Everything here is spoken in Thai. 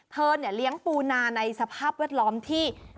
เธอเนี่ยเลี้ยงปูนาในสภาพวัดล้อมที่